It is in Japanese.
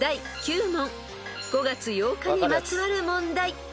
［５月８日にまつわる問題］